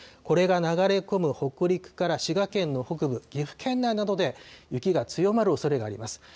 これが流れ込む北陸から滋賀県の北部、岐阜県内などで雪が強まるおそれがあります。